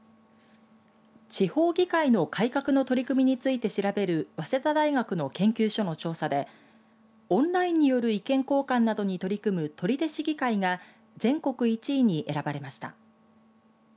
地方議会の改革の取り組みについて調べる早稲田大学の研究所の調査でオンラインによる意見交換などに取り組む取手市議会が全国１位に選ばれました。